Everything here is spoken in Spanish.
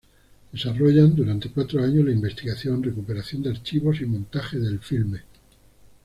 Desarrollan durante cuatro años la investigación, recuperación de archivos y montaje del filme.